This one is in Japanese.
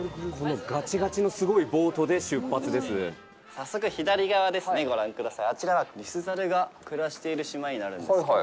早速、左側ですね、ご覧ください。